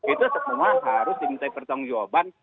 itu semua harus dimintai pertanggung jawaban